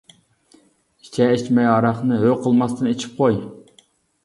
ئىچە-ئىچمەي ھاراقنى ھۆ قىلماستىن ئىچىپ قوي.